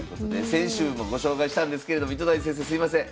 先週もご紹介したんですけれども糸谷先生すいません